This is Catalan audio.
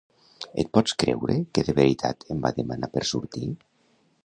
Et pots creure que de veritat em va demanar per sortir?